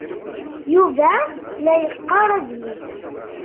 Yuba la yeqqar adlis.